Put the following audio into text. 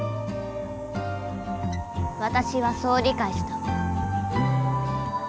わたしはそう理解した。